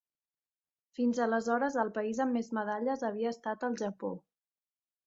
Fins aleshores el país amb més medalles havia estat el Japó.